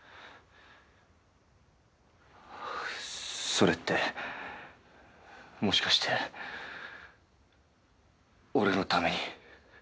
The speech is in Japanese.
それってもしかして俺のために？